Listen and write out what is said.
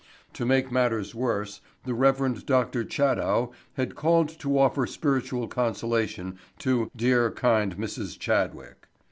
To make matters worse the Rev. Dr. Chaddow had called to offer spiritual consolation to "dear, kind Mrs. Chadwick."